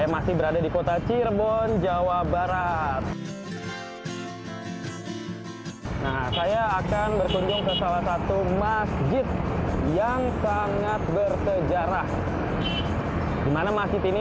masjid sang cipta rasa